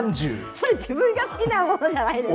それ、自分が好きなものじゃないですか。